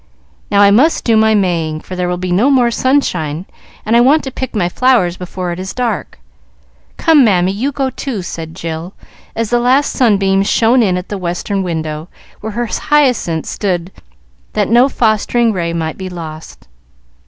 "Now I must do my Maying, for there will be no more sunshine, and I want to pick my flowers before it is dark. Come, Mammy, you go too," said Jill, as the last sunbeams shone in at the western window where her hyacinths stood that no fostering ray might be lost.